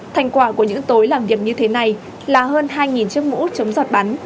thành quả của những tối làm việc như thế này là hơn hai chiếc mũ chống giọt bắn